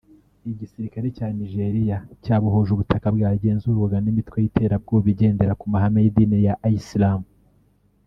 igisirikare cya Nigeria cyabohoje ubutaka bwagenzurwaga n’imitwe y’iterabwoba igendera ku mahame y’idini ya Islam